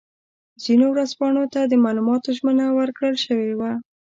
ځینو ورځپاڼو ته د معلوماتو ژمنه ورکړل شوې وه.